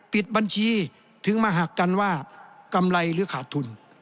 ปิดบัญชีถึงมาหักกันว่ากำไรหรือขาดทุน